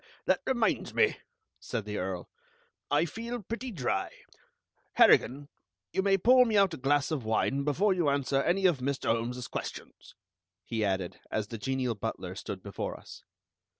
"Ah, that reminds me," said the Earl, "I feel pretty dry. Harrigan, you may pour me out a glass of wine before you answer any of Mr. Holmes's questions," he added as the genial butler stood before us.